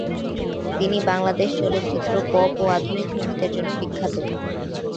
তিনি বাংলাদেশে চলচ্চিত্র, পপ ও আধুনিক সঙ্গীতের জন্য বিখ্যাত।